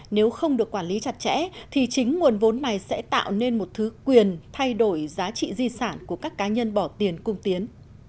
nếu không được quản lý chặt chẽ thì chính nguồn vốn này sẽ tạo nên một thứ quyền thay đổi giá trị di sản của các cá nhân bỏ tiền cung tiến